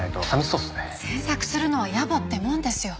詮索するのはやぼってもんですよ。